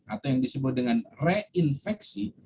atau yang disebut dengan reinfeksi